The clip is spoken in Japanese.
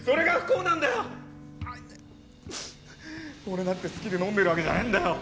俺だって好きで飲んでるわけじゃねえんだよ。